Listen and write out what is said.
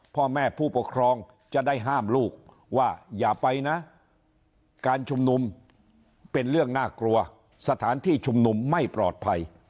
พ่อแม่ผู้ปกครองจะได้ห้ามลูกว่าอย่าไปนะการชุมนุมเป็นเรื่องน่ากลัวสถานที่ชุมนุมไม่ปลอดภัย